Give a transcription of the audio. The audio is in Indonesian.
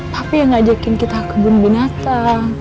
papi yang ngajakin kita kebun binata